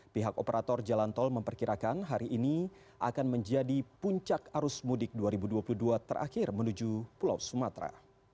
pihak operator jalan tol memperkirakan hari ini akan menjadi puncak arus mudik dua ribu dua puluh dua terakhir menuju pulau sumatera